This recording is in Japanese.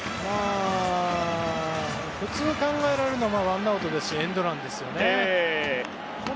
普通考えられるのはワンアウトですしエンドランですよね。